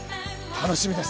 楽しみです。